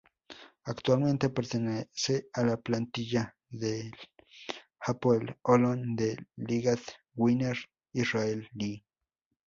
Actualmente pertenece a la plantilla del Hapoel Holon de la Ligat Winner israelí.